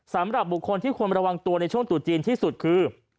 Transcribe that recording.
สำหรับบุคคลที่ควรระวังตัวในช่วงตุจีนที่สุดคือ